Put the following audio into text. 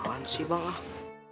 bukan dateng keren langit